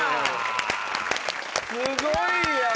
すごいやん！